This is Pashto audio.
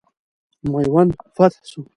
میوند فتح سو.